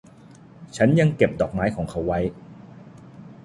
ฉันยังเก็บดอกไม้ของเขาไว้